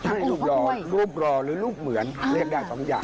ใช่รูปหล่อรูปหล่อหรือรูปเหมือนเรียกได้๒อย่าง